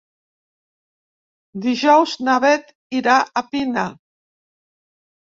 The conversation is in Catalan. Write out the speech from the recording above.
Dijous na Beth irà a Pina.